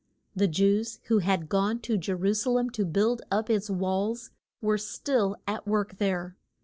The Jews who had gone to Je ru sa lem to build up its walls were still at work there.